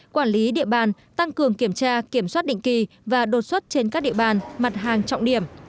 quản lý địa bàn tăng cường kiểm tra kiểm soát định kỳ và đột xuất trên các địa bàn mặt hàng trọng điểm